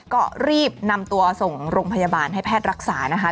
ก็รีบนำตัวส่งโรงพยาบาลให้แพทย์รักษานะคะ